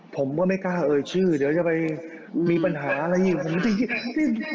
ผมก็ไม่กล้าเอ่ยชื่อเดี๋ยวจะไปมีปัญหาอะไรอย่างนี้